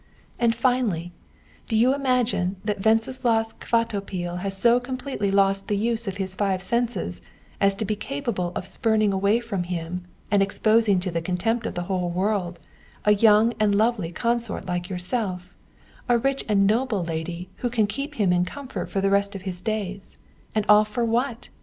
And finally, do you imagine that Wenceslaus Kvatopil has so completely lost the use of his five senses as to be capable of spurning away from him, and exposing to the contempt of the whole world, a young and lovely consort like yourself, a rich and noble lady who can keep him in comfort for the rest of his days and all for what?